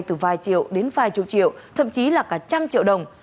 từ vài triệu đến vài chục triệu thậm chí là cả trăm triệu đồng